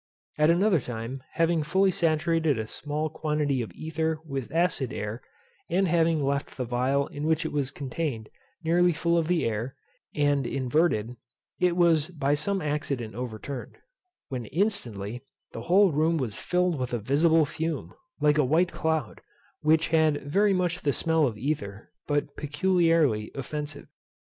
At another time, having fully saturated a small quantity of ether with acid air, and having left the phial in which it was contained nearly full of the air, and inverted, it was by some accident overturned; when, instantly, the whole room was filled with a visible fume, like a white cloud, which had very much the smell of ether, but peculiarly offensive.